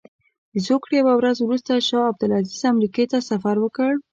د زوکړې یوه ورځ وروسته شاه عبدالعزیز امریکې ته سفر وکړ.